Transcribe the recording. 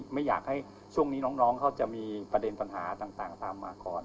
ไม่อยากให้ช่วงนี้น้องเขาจะมีประเด็นปัญหาต่างตามมาก่อน